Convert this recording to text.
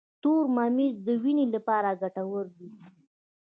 تور ممیز د وینې لپاره ګټور دي.